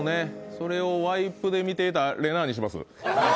それをワイプで見ていたれなぁにします。